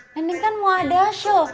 neneng kan mau ada show